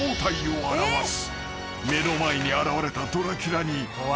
［目の前に現れたドラキュラに］